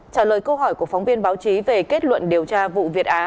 trả lời câu hỏi của phóng viên báo chí về kết luận điều tra vụ việt á